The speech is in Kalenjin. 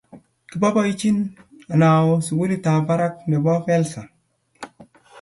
Kiboibochin Anao sukulitap barak nebo Belsa